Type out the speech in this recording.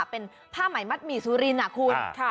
เป็นผ้าใหม่มัดหมี่สุรินคุณค่ะค่ะ